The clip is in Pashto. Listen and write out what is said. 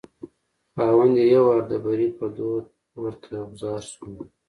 خاوند یې یو وار د بري په دود پورته غورځار شو.